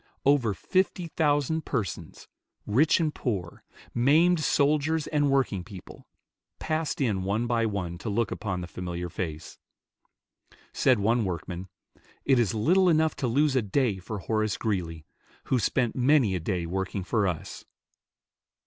Over fifty thousand persons, rich and poor, maimed soldiers and working people, passed in one by one to look upon the familiar face. Said one workman, "It is little enough to lose a day for Horace Greeley, who spent many a day working for us."